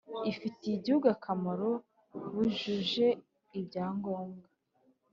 ifitiye igihugu akamaro bujuje ibyangombwa